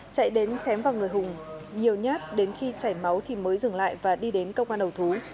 chạy đến chém vào người hùng nhiều nhát đến khi chảy máu thì mới dừng lại và đi đến công an đầu thú